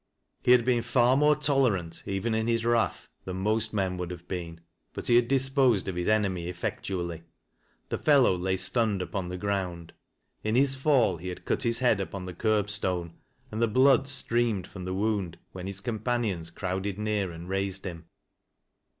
He had been far more tolerant, even in his wrath, than most men would have been, but he had disposed of his enemy effectually. The fellow lay stunned upon the ground. In his fall, he had cut his head upon the curb stone, and the blood streamed from the wound when his companions crowded near, and raised him.